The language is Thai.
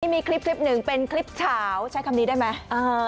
มีคลิปหนึ่งเป็นคลิปเฉาใช้คำนี้ได้ไหม